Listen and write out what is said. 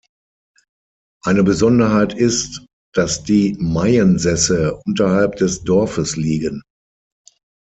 Eine Besonderheit ist, dass die Maiensässe unterhalb des Dorfes liegen.